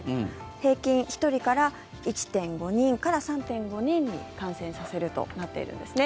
平均１人から１．５人から３．５人に感染させるとなっているんですね。